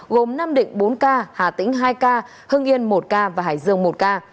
gồm nam định bốn ca hà tĩnh hai ca hưng yên một ca và hải dương một ca